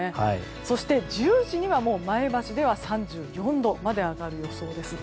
そして１０時には前橋では３４度まで上がる予想です。